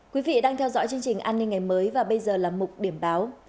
quý vị đang theo dõi chương trình an ninh ngày mới và bây giờ là mục điểm báo